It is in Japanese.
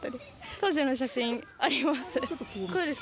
当時の写真あります。